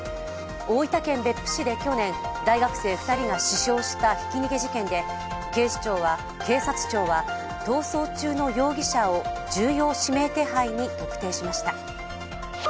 大分県別府市で去年、大学生２人が死傷したひき逃げ事件で警察庁は逃走中の容疑者を重要指名手配に特定しました。